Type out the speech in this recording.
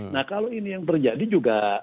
nah kalau ini yang terjadi juga